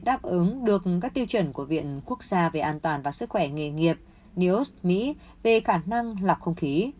n chín mươi năm đáp ứng được các tiêu chuẩn của viện quốc gia về an toàn và sức khỏe nghề nghiệp nios mỹ về khả năng lọc không khí